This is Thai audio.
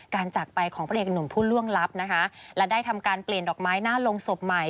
จากไปของพระเอกหนุ่มผู้ล่วงลับนะคะและได้ทำการเปลี่ยนดอกไม้หน้าโรงศพใหม่